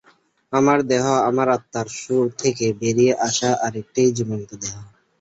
আমার দেহ আমার আত্মার সুর থেকে বেরিয়ে আসা আরেকটি জীবন্ত দেহ।